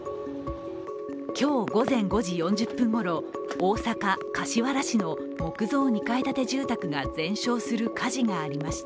今日午前５時４０分ごろ、大阪・柏原市の木造２階建て住宅が全焼する火事がありました。